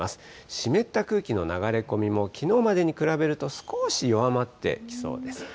湿った空気の流れ込みも、きのうまでに比べると少し弱まってきそうです。